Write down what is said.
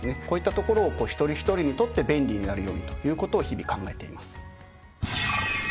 こういったところを一人一人にとって便利になるようにということを日々考えています。